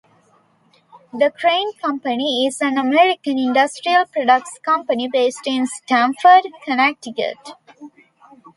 The Crane Company is an American industrial products company based in Stamford, Connecticut.